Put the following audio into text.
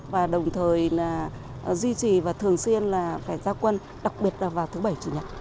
và đồng thời duy trì và thường xuyên phải giao quân đặc biệt là vào thứ bảy chủ nhật